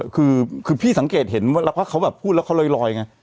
คือพี่สังเกตเห็นว่าเขาแบบพูดแล้วเขาลอยไง